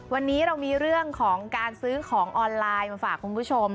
วันนี้เรามีเรื่องของการซื้อของออนไลน์มาฝากคุณผู้ชม